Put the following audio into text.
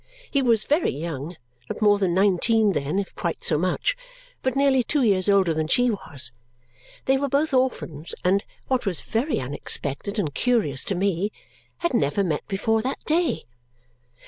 He was very young, not more than nineteen then, if quite so much, but nearly two years older than she was. They were both orphans and (what was very unexpected and curious to me) had never met before that day.